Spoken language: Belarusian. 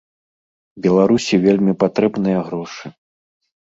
Беларусі вельмі патрэбныя грошы.